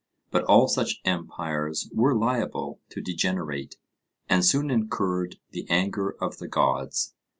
But all such empires were liable to degenerate, and soon incurred the anger of the gods.